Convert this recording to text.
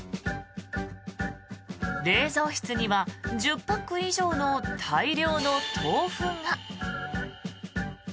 冷蔵室には１０パック以上の大量の豆腐が。